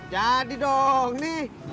jadi dong nih